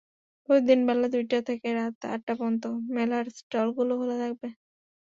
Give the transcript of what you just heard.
প্রতিদিন বেলা দুইটা থেকে রাত আটটা পর্যন্ত মেলার স্টলগুলো খোলা থাকবে।